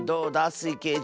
スイけいじ。